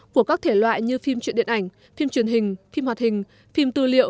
của các thể loại như phim truyện điện ảnh phim truyền hình phim hoạt hình phim tư liệu